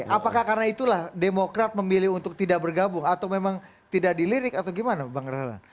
apakah karena itulah demokrat memilih untuk tidak bergabung atau memang tidak dilirik atau gimana bang rahlan